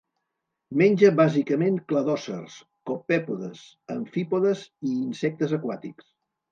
Menja bàsicament cladòcers, copèpodes, amfípodes i insectes aquàtics.